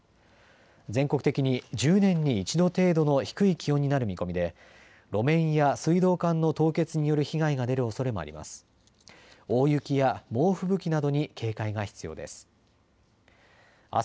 全国的に１０年に一度程度の低い気温になる見込みで路面や水道管の凍結による被害が出るおそれもあります。